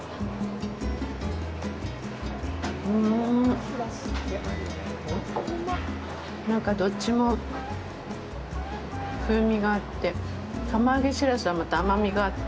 うん、なんかどっちも風味があって釜揚げしらすは、また甘みがあって。